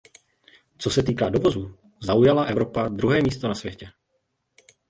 Co se týká dovozů, zaujala Evropa druhé místo na světě.